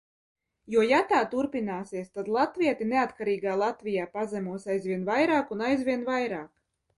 Jo, ja tā turpināsies, tad latvieti neatkarīgā Latvijā pazemos aizvien vairāk un aizvien vairāk.